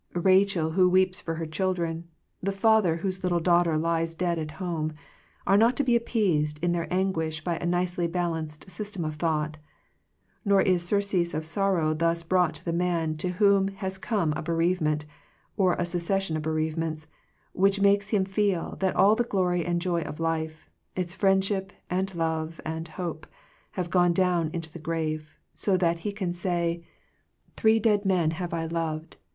Rachel who weeps for her children, the father whose little daughter lies dead at home, are not to be appeased in their anguish by a nicely balanced system of thought. Nor is surcease of sorrow thus brought to the man to whom has come a bereavement, or a succession of bereavements, which makes him feel that all the glory and joy of life, its friendship and love and hope, have gone down into the grave, so that he can say, 122 I Digitized by VjOOQIC THE ECLIPSE OF FRIENDSHIP '*TltfM dead mm hav* I loured.